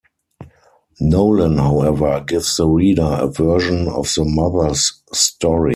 Nolan however, gives the reader a version of the mother's story.